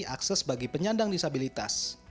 akses bagi penyandang disabilitas